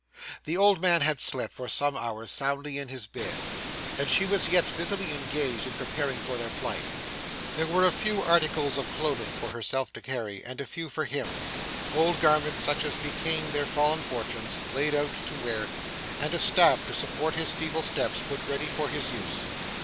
The old man had slept, for some hours, soundly in his bed, and she was yet busily engaged in preparing for their flight. There were a few articles of clothing for herself to carry, and a few for him; old garments, such as became their fallen fortunes, laid out to wear; and a staff to support his feeble steps, put ready for his use.